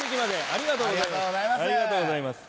ありがとうございます。